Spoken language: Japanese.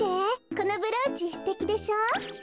このブローチすてきでしょ？